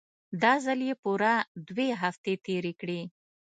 دا ځل يې پوره دوې هفتې تېرې کړې.